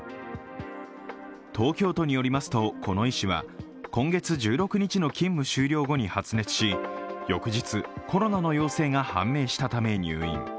東京都によりますと、この医師は今月１６日の勤務終了後に発熱し、翌日、コロナの陽性が判明したため入院。